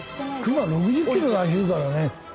クマは６０キロで走るからね。